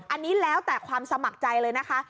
อันนี้แล้วแต่ความสมัครใจเลยนะคะ